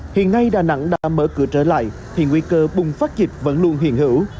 hiện ngay đà nẵng đã mở cửa trở lại thì nguy cơ bùng phát dịch vẫn luôn hiền hữu